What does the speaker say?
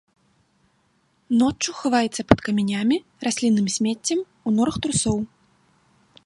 Ноччу хаваецца пад камянямі, раслінным смеццем, у норах трусоў.